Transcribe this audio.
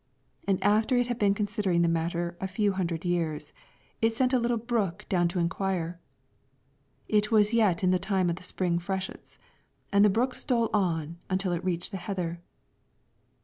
And after it had been considering the matter a few hundred years, it sent a little brook down to inquire. It was yet in the time of the spring freshets, and the brook stole on until it reached the heather.